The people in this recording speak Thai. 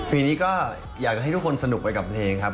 ปีนี้ก็อยากให้ทุกคนสนุกไปกับเพลงครับ